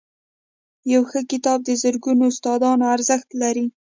• یو ښه کتاب د زرګونو استادانو ارزښت لري.